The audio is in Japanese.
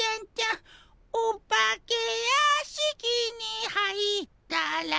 「お化けやしきに入ったら」